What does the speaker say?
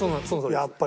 やっぱり。